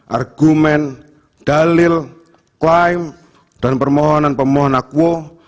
argumen dalil klaim dan permohonan pemohon akuo